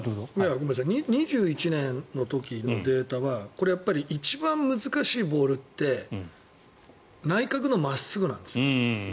２１年の時のデータはこれは一番難しいボールって内角の真っすぐなんですよ。